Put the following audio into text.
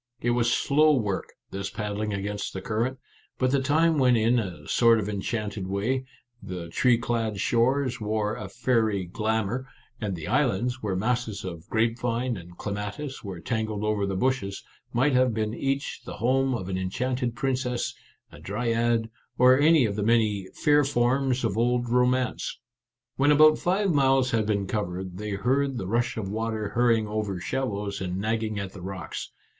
It was slow work, this paddling against the current, but the time went in a sort of en chanted way; the tree clad shores wore a fairy glamour, and the islands, where masses of grape vine and clematis were tangled over the bushes, might have been each the home of an enchanted princess, a dryad, or any of the many " fair forms of old romance." When about five miles had been covered, they heard the rush of water hurrying over shallows and nagging at the rocks.